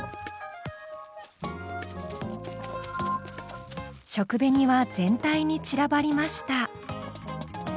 食紅は全体に散らばりました。